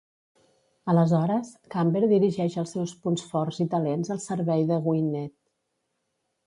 Aleshores, Camber dirigeix els seus punts forts i talents al servei de Gwynned.